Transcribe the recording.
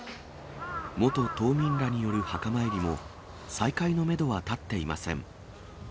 元島民らによる墓参りも再開のメドは立っていません。